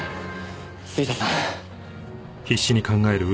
杉下さん。